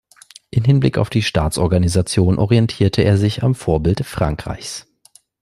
In Hinblick auf die Staatsorganisation orientierte er sich am Vorbild Frankreichs.